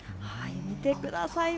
見てください。